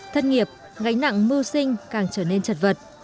thất nghiệp gánh nặng mưu sinh càng trở nên chật vật